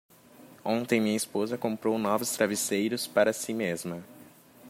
Ontem minha esposa comprou novos travesseiros para si mesma.